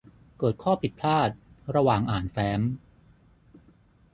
เกิดข้อผิดพลาดระหว่างอ่านแฟ้ม